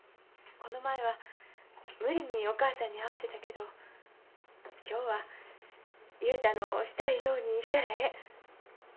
この前は無理にお母さんに会わせたけど今日は雄太のしたいようにしたらええ。